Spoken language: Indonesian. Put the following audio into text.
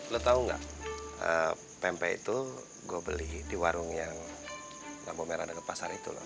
lo tahu nggak pempek itu gue beli di warung yang lampu merah dekat pasar itu loh